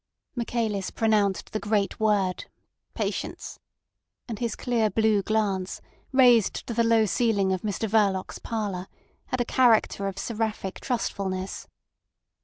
Michaelis pronounced the great word "Patience"—and his clear blue glance, raised to the low ceiling of Mr Verloc's parlour, had a character of seraphic trustfulness.